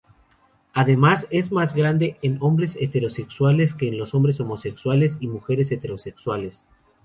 Además es más grande en hombres heterosexuales que en hombres homosexuales y mujeres heterosexuales.